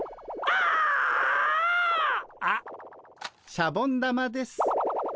シャボン玉です。